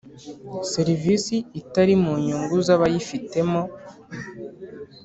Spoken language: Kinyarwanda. serivisi itari mu nyungu z abayifitemo